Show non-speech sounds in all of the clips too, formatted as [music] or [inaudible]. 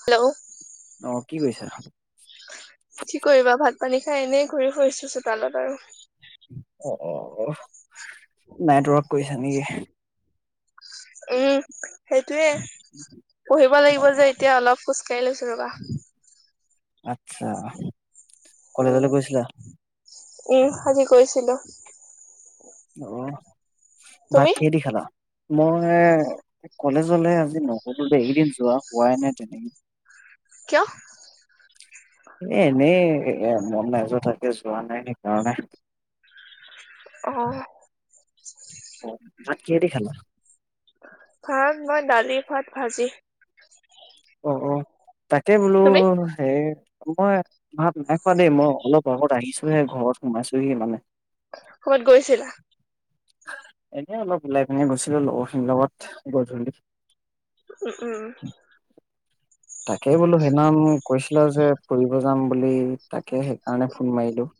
Hello অ কি কৰিছা? কি কৰিবা ভাল। পানী খাই এনেই ঘূৰি-ফুৰিছো চোতালত আৰু। অ। নেটৱৰ্ক কৰিছা নেকি। এই। সেইটোৱে পঢ়িব অ লাগিব যে, এতিয়া অলপ খোজ কঢ়ি লৈছো ৰবা। আচ্চা। উম আজি গৈছিলোঁ। অহ। ভাত তুমি কিহেদি খালা। মই কলেজলে, আজি বহুদিন যোৱা হোৱাই নাই তেনেকৈ। কিয়? এ এনেই এ মন নাযায় থাকে, যোৱা নাই সেইকাৰণে। অহ। অ ভাত কিহেদি খালা। ভাত মই দালি খোৱাত ভাজি। অ অ। তাকে বোলো তুমি সেই। মই ভাত নাই খোৱা দেই, মই অলপ আত আহিছোহে ঘৰত সোমাইছোহি মানে। ক'ৰবাত গৈছিলা। এনে অলপ উওলাই পিনি গৈছিলো, লগৰ খিনিৰ লগত গধূলি। উম উম তাকেই বোলো সেইনা কৈছিলে যে ফুৰিব যাম বুলি তাকে সেইকাৰণে ফোন মাৰিলো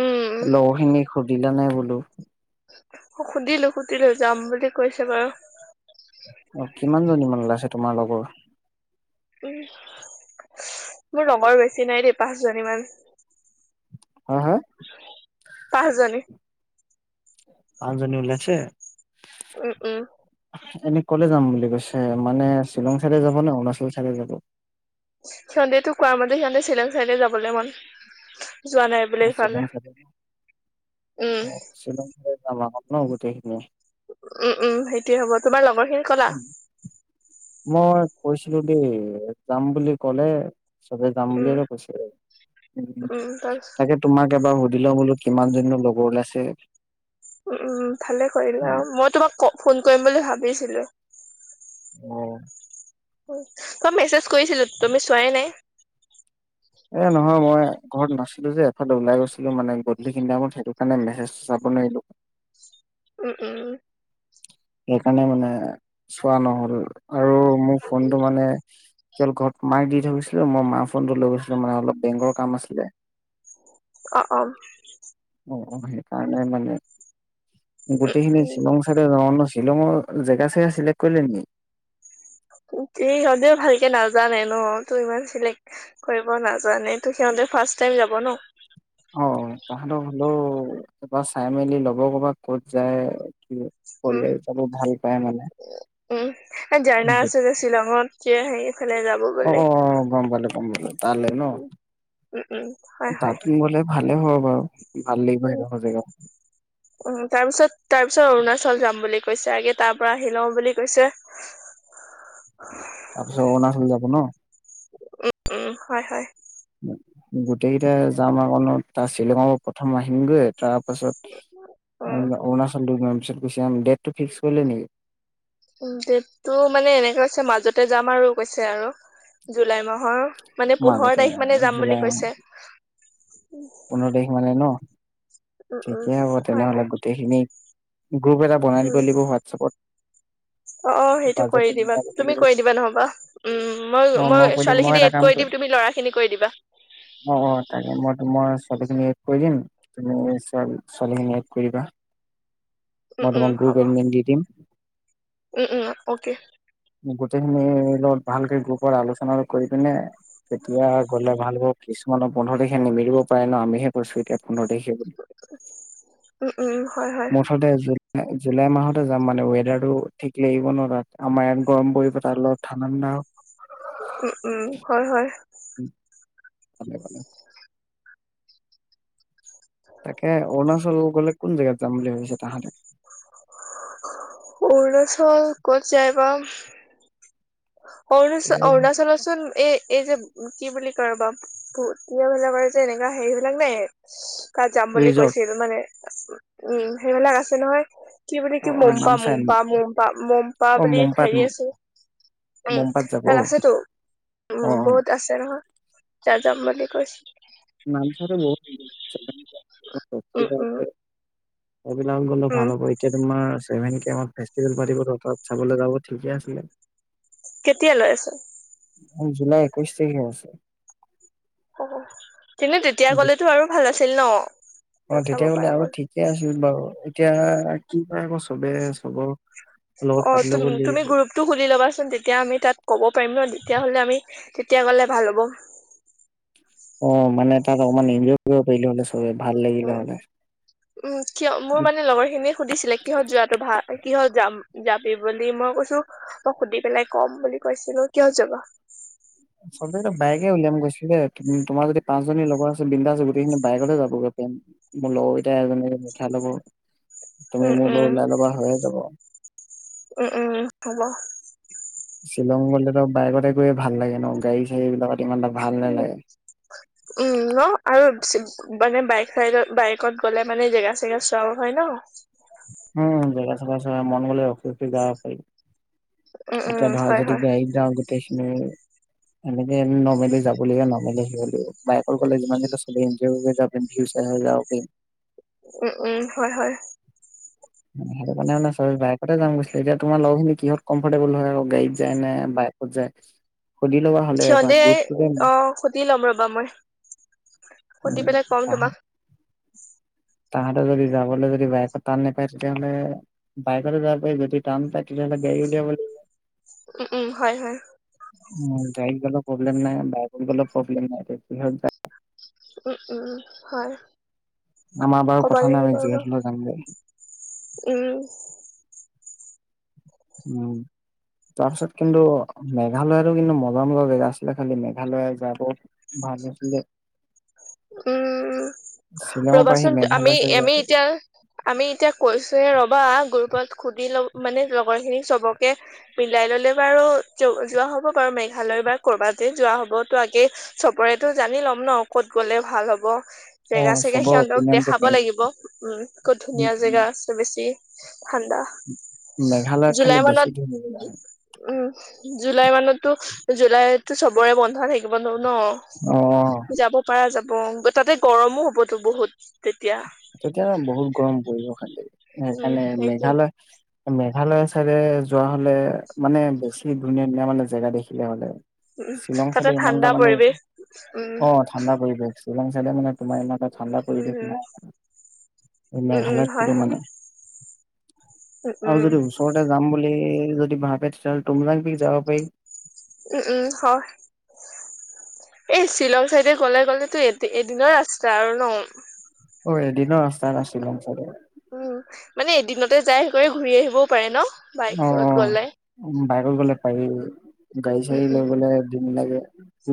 উম লগ খিনিক সুধিলা নে বো হেল্ল' অ সুধিলো সুধিলো যাম বুলি কৈছে বাৰু অ কিমান জনীমানান ওলাইছে তোমাৰ লগৰ উম মোৰ ৰঙৰ বেছি নাই দেই পাঁচ জনী মমান হা হা পাঁচজনে পঞ্জনী উওল্াইছে উম উম এনে কলে যাম বুলি কৈছে মানে শ্বিলং চাই যাব নে অৰুণাচল চাইড যাব সিহঁতেতো কোৱা মতে সিহঁতে শ্বিলং চাইড যাবলে মন যোৱা নাই বোলে ইফালে শ্বিলং চাই উম অ শ্বিল ন গট উম উম সেইটোয়ে হ'ব তোমাৰ লগৰ ক মই কৈছিলো দেই যাম বুলি কলে। চবে যাম বুলিয়ে উম, ত কৈচিলে। উ উম, তাৰপিছ তাকে তোমাক এবাৰ সুধ। বিলমূলত কিমান জননো লগৰ ওলাইছে। উ উম ভালে কৰিলা মই তোমাক কওঁ। ফোন কৰিম বুলি ভাবিছিলো। অঁ। তই মেছেজ কৰিছিলো তুমি চোৱাই নাই। এ নহয় মই ঘৰত নাছিলো যে এফালে ওলাই গৈছো। মানে গধুলি টাইমত থো ণে মেছেজ চাব নোৱাৰিলো। উ উম। সেইকাৰণে মানে চোৱা নহ'ল আৰু মোৰ ফোনটো মানে কেৱল ঘৰত মাইে দি থৈৈছিলো মই মাৰ ফোনটো লৈ গৈছিলো মানে অলপ বেংকৰ কাম আছিলে। অ অ অ সেইকাৰণে মানে। উম, গোটেইখিনি উম। শ্বিলং চাইডে [unintelligible] শ্বিলঙৰ জেগা চেগা চিলেক্ট কৰিলে নেকি? এ সিহঁতেও ভালকে নাজানে ন, তোৰ ইমান চিলেক্ট কৰিব নাজানে ত সিহঁতে ফাৰ্ষ টাইম যাব ন। অ তাহাঁতক হলেও কিবা চাই মেলি লব ক'ৰবাত ক'ত যায়। কি উম ক'লে যাব ভাল পাই মানে। উম জাৰনা আছে যে শ্বিলঙত কিয় হে অ গম পালোঁ গম পালো তালৈ ন, উম, উম, উম তাতে গলে ভালে হ অ উ উ তাৰপিছত তাৰ পিছত অৰুণাচল যাম বুলি কৈছে আগে তাৰ পৰা আহি লও বুলি কৈছে। তাৰপিছত অৰুণাচল যাব ন? উম উম হয় হয়। গোটেইকেইটা যাম আকো তাৰ শ্বিলঙৰ প্ৰথম আহিমগে তাৰপাছত অৰুণাচলটো [unintelligible] পিছত গুচি জাম দে। উ দেতটো মানে এনেকো আছে মাজত ততে যাম আৰু কৈছে আৰু জুলাই মাহৰ মানে পোন্ধৰ মাজতে তাৰিখ মানে যাম জুলাই বুলি মাহ কৈছে। পোন্ধৰ তাৰিখ মানে ন। উম উম থিকে হ'ব হয় তেনেহ'লে হয় গোটেইখিনি গ্ৰুপ এটা বনাই দিব উম লাগিব হোৱাটছেপত অ সেইটো কৰি দিবা ল'ব তুমি লাগিব কৰি দিবা নহবা উম মই অ মই কৈ দিম ছোৱালী খিনি এটা এদ কাম কৰি কৰিম দিম তুমি লৰাখিনি কৰি দিবা। অ অ তাকে মই মই ছোৱালী জনীক এড কৰি দিম তুমি ছোৱালী খিনি এড কৰিবা। উম উম হব উম উম অকে। গোটেইখিনিৰ লগত ভালকে গ্ৰুপৰ আলোচনা কৰি পিনে তেতিয়া গ'লে ভাল হব কিছুমানৰ পোন্ধৰ তাৰিখে নিমিলিব পাৰে ন আমিহে কৰিছো এতিয়া পোন্ধৰ তাৰিখে বুলি উম উম হয় হয় মুঠতে জুলাই মাহতে যাম মানে ৱেডাৰটো ঠিক লাগিব ন তাত আমাৰ ইয়াত গৰম পৰি তাৰ লগত ঠাণ্ডা ঠাণ্ডা উম উম হয় হয়। [unintelligible] [unintelligible] তাকে অৰুণাচল গ'লে কোন জেগাত যাম বুলি ভাবিছে তাহাঁতে। অৰুণাচল ক'ত যায় বা। অৰুণাচ অৰুণাচলত চোন এই এই যে কি বুলি কয় [unintelligible] যে এনেকো হেৰিবিলাক নাই তাত যাম বুলি ৰিজৰ্ট কৈছিল মানে। উম সেইবিলাক আছে নহয়। কি বুলি অ কি অ মপা নামচাই মপা মপা মপা অ বুলি মোমপাত সেই আছে। মোমপাত [unintelligible] যাব অ তাত আছেতো উ অ বহুত আছে ৰ অ যা যাম বুলি কৈছ নামচাইটো [unintelligible] উম উম। সেইবিলাক গ'লে উম ভাল হ'ব এতিয়া তোমাৰ পেমেণ্ট কে আমাৰ ফেছটিভেল পাতিব তহ তাত চাবলৈ যাব ঠিকে আছিলে। কেতিয়া লৈ আছে? জুলাই একৈশ তাৰিখে আছে। অ। তেনে তেতিয়া গ'লেতো আৰু ভাল আ হেল্ল'। অ' তেতিয়াহ'লে আৰু ঠিকে আছিল বাৰু। এতিয়া কি কৰে আকৌ চবে চবৰ লগত অ' পাতি ল'ব তুম- তুমি লাগিব। গ্ৰুপতটো খুলি ল'বাচোন তেতিয়া আমি তাত ক'ব পাৰিম ন তেতিয়া হ'লে আমি কেতিয়া গ'লে ভাল হ'ব। অ' মানে তাত অকমান এনজয় কৰিব পাৰিলো হ'লে। ত' ভাল লাগিল উম হলে। উম, কিয় মোৰ মানে লগৰ খিনিয়ে সুধিছিলে কিহত যোৱাটো ভাল কিহত যাম যাবি বুলি মই কৈছো মই সুধি পেলাই কম বুলি কৈছিলো কিয় যাবা। চবেই বাইকে উলিয়াম কৈছিলে, তোমাৰ যদি পাঁচজনী লগৰ আছে বিন্দাছ আছে গোটেইখিনি বাইকতে যাবগৈ পাৰিম। মোৰ লগৰ এটাই এজনী উঠাই ল'ব, তুমি উম মোৰ লগত উম ওলাই ল'বা হৈয়ে যাব। উম, উম, হ'ব। শ্বিলং গ'লেতো বাইকতে গৈ ভাল লাগে ন? গাড়ী চাড়ী বিলাক উম, উম ন। আৰু মানে বাইক চাই বাইকত গ'লে মানে জেগা চেগা চোৱাব হয় ন? উম, জেগা চেগা চোৱা মন গ'লে অ ৰখি যাব পাৰি, উম এতিয়া উম ধৰা হয় যদি হয় বাইকট যাওঁ গোটেই সিনি এনেক নৰ্মেলি যাব লগিব নৰ্মেলি আহিব লাগিব। বাইকট গ'লে যিমানটো চবেই এঞ্জয় কৰি যাব পাৰিম, ভিউ চাই আহিব পাৰিম। উম, উম, হয়, হয়। সেইটো কাৰণে বাইকতে যাম কৈছিলে, এতিয়া তোমাৰ লগৰখিনি কিহ'ত কমফৰ্টেবল হয় আকৌ গাড়ী যায় নে বাইকত যায় সুধি ল'বা হ'লে এবাৰ সিহ'তে গ্ৰুপটোতে অ' সুধি ল'ম ৰবা মই সুধি উম, পেলাই ক'ম তোমাক। তাহাতে যদি যাবলৈ যদি বাইকত টান নাপায় তেতিয়াহলে বাইকত যাব পাৰি, যদি টান পায় তেতিয়াহ'লে গাড়ী উলিয়াব লাগিব। উম, উ, হয়, হয়। উম, গাড়ীত গ'লেও প্ৰব্লেম নাই বাইকট গ'লে প্ৰব্লেম নাই তে কিহত যাৱ উম, উ, হয়। আমাৰ বাৰু ক'ব কথা নাই লাগিব আমি ৰ'বা যিহ'ত হ'লেও যামগেই। উম উম, তাৰপিছত কিন্তু মেঘালয়তো কিন্তু মজা মজা জেগা আছিলে খালি মেঘালয় যাই বহুত ভাল হৈছিলে। উম ৰ'বাচোন আমি আমি এতিয়া আমি এতিয়া কৈছো হে ৰ'বা গ্ৰুপত সুধি লম মানে লগৰখিনিক চবকে মিলাই ল'লে বাৰু যোৱা হ'ব বাৰু মেঘালয় বা ক'ৰবাত য যোৱা হ'ব, ত' আগে চবৰেতো জানি ল'ম ন ক'ত গ'লে ভাল হ'ব। অ'। তে চবৰ সিহঁতক অপিনিয়নটো দেখাব মেইন লাগিব, উম, ক'ত উম ধুনীয়া উম জেগা আছে বেছ [unintelligible] ঠাণ্ডা। মেঘালয়ত খালি জুুলাই বেছি মানত, ধুনীয়া জেগা উম জুলাই মানততো জুলাইতটো চবৰে বন্ধা থাকিব নহ ন অ যাব পাৰা যাব। অঁ, তাতে গৰমো হ'ব। টো বহুত তেতিয়া বহুত গৰম পৰিব খালি, উম সেইকাৰণে সেইটোৱে মেঘালয় মে মেঘালয় চাইদে যোৱা হ'লে মানে বেছি ধুনীয়া ধুনীয়া মানে জেগা দেখিলে হ'লে। উম শ্বিলং তাতে চাইডে ইমান এটা ঠাণ্ডা মানে পৰিৱেশ, অ উম। ঠাণ্ডা পৰিৱেশ শ্বিলং চাইদে মানে তোমাৰ ইমানটা ঠাণ্ডা পৰিৱেশ উম, নাই। উম, উম, হয়, মেঘালয়ত [unintelligible] হয়, মানে। উম, আৰু উম, যদি ওচৰতে যাম বুলি ই যদি ভাবে তেতিয়াহ'লে টুমজাং পিক যাব পাৰি। উম, উম, হয়। এই শ্বিলং চাইডে গ'লে গ'লেতো এ এদিনৰ ৰাস্তা আৰু ন? অ' এদিনৰ ৰাস্তা শ্বিলং চাইডে। উম, মানে এদিনতে যাই কৰি ঘূৰি আহিবও পাৰে ন? অ অ বাইকত গ'লে? উম, বাইকত গ'লে পাৰি। গাড়ি‌‌ উম, চাড়ি লৈ উম, গ'লে তাকেই।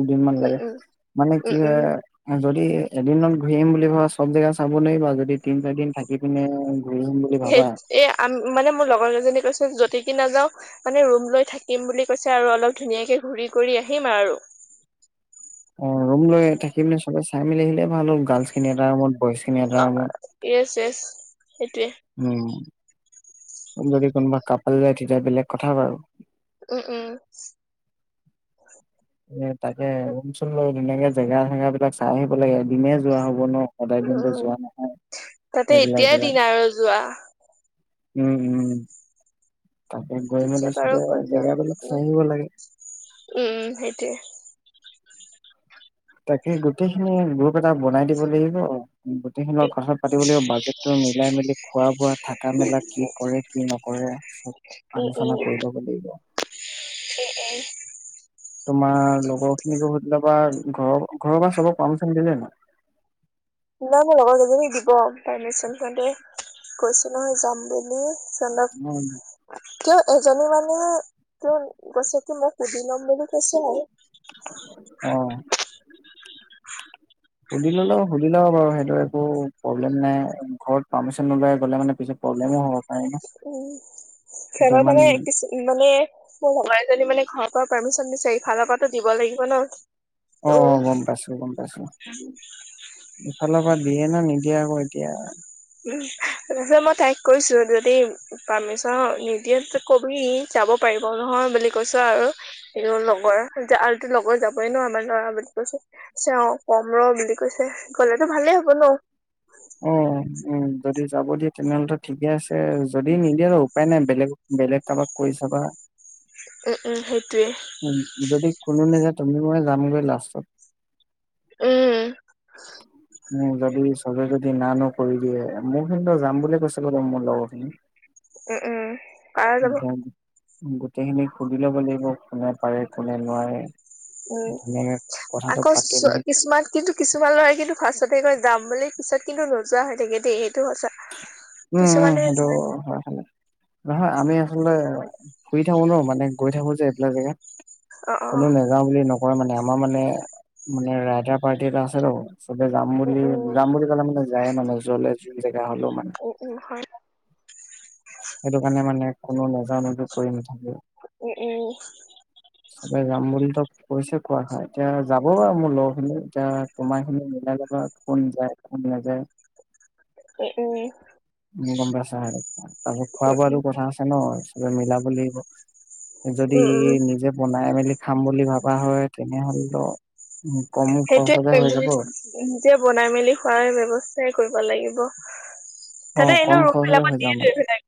দিনমান উম, লাগে। উম, মানে কি উম, উম, হয় যদি ই এদিনত ঘূৰি আহিম বুলি ভাবা চব জেগা চাব নোৱাৰিবা, যদি তিন চাৰি দিন থাকি পিনে ঘূৰি আহিম বুলি সেই ভাবা এ আম মানে মোৰ লগৰ কেজনী কৈছ যতিকি নাযাও মানে ৰুম লৈ থাকিম বুলি কৈছে আৰু অলপ ধুনীয়াকে ঘুৰি কৰি আহিম আৰু। অ' ৰুম লৈ থাকি পিনে চবে চাই মেলি আহিলে ভাল হ'ব, গাৰ্লছ খিনি এটা ৰুমত বইজ খিনি এটা আ, ৰুমত য়েছ, য়েছ। সেইটোৱে উম। যদি কোনোবা কাপাল যায় তেতিয়া বেলেগ কথা বাৰু। উম, উম। এ তাকে, ৰূম চূম লৈ ধুনীয়াকে জেগা চেগা বিলাক চাই আহিব লাগে, এদিনে যোৱা হব ন? সদায় দিনতো অ', যোৱা নাই তাতে সেইবিলাক এতিয়াই জেগা দিন আৰু যোৱা। উম, উম। তাকে গৈ মেলি পিছত আৰু চবে ক'ত যোৱা জেগাবিলাক চাই হ'ব? আহিব লাগে উম, সেইটোৱে। তাকে, গোটেইখিনি গ্ৰুপ এটা বনাই দিব লাগিব আৰু গোটেইখিনি লগত কথাটো পাতিব লাগিব, বাজেটটো মিলাই মেলি, খোৱা বোৱা, থাকা মেলা কি কৰে, কি নকৰে, চব উম আলোচনা কৰি উম ল'ব লাগিব। [inaudible] তোমাৰ লগৰ খিনিকো সুধি লবা, ঘৰৰ ঘৰৰ পৰা চবে পাৰ্মিচন দিলে নাই? নাই মোৰ লগৰ কেইজনীক দিব পাৰ্মিচন, সিহঁতে কৈছে নহয় যাম বুলি চনক তেওঁ, এজনী মানে, তেওঁ কৈছে কি, মই সুধি ল'ম বুলি কৈছে আৰু অ' সুধি ললে, সুধি লব বাৰু, সেইটো একো প্ৰব্লেম নাই। ঘৰত পাৰ্মিচন নোলোৱাকৈ গ'লে মানে পিছত প্ৰব্লেমো হ'ব পাৰে ন উম, এতিয়া সিহঁতে ইমান মানে, কিছু মানে, মোৰ লগৰ এজনী মানে ঘৰৰ পৰা পাৰ্মিচন দিছে, ইফালৰ পৰাতো দিব লাগিব ন? ত' অ', গম পাইছোঁ, গম পাইছোঁ। ইফালৰ পা দিয়ে নে নিদিয়ে আকৌ এতিয়া উ, যে মই তাইক কৈছো, যদি পাৰ্মিচন নিদিয়ে, তে কবি যাব পাৰিব নহয় বুলি কৈছো আৰু। আৰু লগৰ, আৰুতো লগৰ যাবই ন আমাৰ লৰা বুলি কৈছো, কৈছে অ', কম ৰ বুলি কৈছে। গ'লেতো ভালেই হব ন অঁ উম, যদি যাব দিয়ে, তেনেহ'লেটো ঠিকে আছে। এ যদি নিদিয়ে ন উপাই নাই, বেলেগ-বেলেগ কাৰবাক কৈ চাবা। উম উম সেইটোয়ে উম্, যদি কোনো নেজাই তুমি মই যামগৈ লাষ্টত। উম। উম, যদি চবে যদি দি নানো কৰি দিয়ে, মোৰ কিন্তু যাম বুলি কৈছিলে মোৰ লগৰ খিনি। উম -উম পাৰা যাব। গোটেইখিনি সুধি ল'ব লাগিব, কোনে পাৰে কোনে নোৱাৰে। উম, ধুনীয়াকে কথাটো আকৌ পাতি মেলি কিছুমান কিন্তু কিছুমান ল'ৰাই কিন্তু ফাৰ্ষ্টতে কয় যাম বুলি, পিছত কিন্তু নোযোৱা হৈ থাকে দেই সেইটো সঁচা উম- উম, কিছুমানে সেইটো যায় হয়, নহয় আমি আচলতে ফুৰি থাকো ন মানে গৈ থাকো যে এইবিলাক জেগাত। অ কোনো অ নেযাওঁ বুলি নক নকয় মানে আমাৰ মানে- মানে [unintelligible] পাৰ্টি এটা আছে টো। চবে জাম উম বুলি উম জাম বুলি কলে মানে যায়ে আৰু মানে জ'লে জোন জেগা হ'লেও মানে। উম উম হয়। সেইটো কাৰণে মানে কোনো নাযাওঁ নযো কৰি নাথ উম উম চবে যাম বুলি ত কৈছে কোৱা হয়, এতিয়া যাব বাৰু মোৰ লগৰ খিনি এতিয়া তোমাৰ খিনি মিলাই ল'বা আৰু কোন যায় কোন নাযায়। উম-উম। [unintelligible] চা আৰু। তাৰ পিছত খোৱা বোৱাটো কথা আছে ন। মিলাব লাগিব। যদি উম উম নিজে বনাই মেলি খাম বুলি ভাবা হয়, তেনেহ'লেটো সেইটোয়ে কৰিম [unintelligible] নিজে বনাই মেলি খোৱাৰ ব্যৱস্থাই কৰিব লাগিব। [inaudible] অ' তাতে এনে কম ৰুম খৰচতে হৈ বিলাকত যাব দিয়েতো মানে এইবিলাক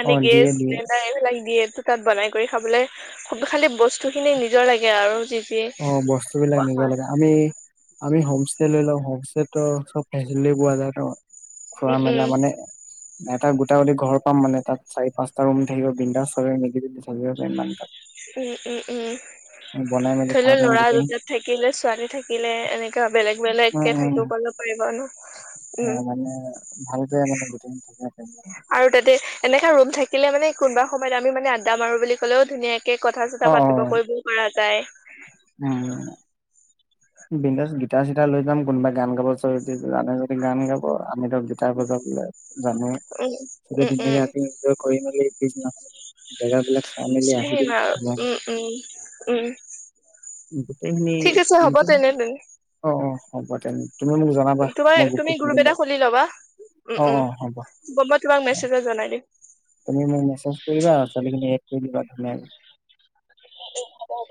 মানে অ' দিয়ে গেছ দিয়ে চিলিণ্ডাৰ এইবিলাক দিয়ে। ত তাত বনাই কৰি খাবলৈ খুব খালি বস্তু খিনি নিজৰ লাগে আৰু যি যি অঁ বস্তু বিলাক নিজৰ লাগে আমি আমি হোমষ্টে লৈ লওঁ, হোমষ্টেতটো আৰু চব ফেচিলিটি পোৱা যায় ন। খোৱা উম মেলা উম মানে। এটা গোটা গোটি ঘৰ পাম মানে তাত চাৰি পাঁচটা ৰুম থাকিব বিন্দাচ চবে মিলি জুলি থাকিব পাৰিম মানে তাত। উম উম উম। বনাই মেলি খাব পাৰিম ল'ৰা গোটেই দুটাত থাকিলে ছোৱালী থাকিলে এনেকা বেলেগ উম, বেলেগকে উম, থাকিবলৈ ও পাৰিব। অ ন [unintelligible] অ উম মানে ভাল। ম গে [unintelligible] আৰু তাতে এনেকা ৰুম থাকিলে মানে কোনোবা। সময়ত আমি মানে আড্ডা মাৰো বুলি ক'লেও ধুনীয়াকৈ। এ কথা চথা পাতিব কৰিবও পৰা যায়। উ বিন্দাচ গিটাৰ চিটাৰ লৈ যাম কোনোবা গান গাব ওচৰত। জানে যদি গান গাব আমিটো গিটাৰ বজাবলে জানোয়ে উম চবে উম ধুনীয়াকে ৰাতি এনজয় কৰি মেলি। কৃষ্ণ। গুছি আহিবা আৰু উম উম উম। গোটেইখিনি ঠিক আছে হ'ব তেনে গোটেইখিনি অ। অ হ'ব তেনে। তুমি মোক জনাবা মই তোমাৰ গ্ৰুপটো তুমি গ্ৰুপ খুলিম এটা বাৰু খুলি ল'বা অ উম অ হ'ব উম মই তোমাক মেছেজত জনাই দিম। তুমি মোক মেছেজ কৰিবা ছোৱালীখিনি এড কৰি দিবা ধুনীয়াকে। অ হ'ব হ'ব।